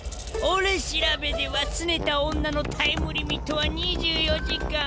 俺調べではすねた女のタイムリミットは２４時間。